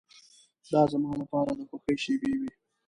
دا زما لپاره د خوښیو شېبې وې.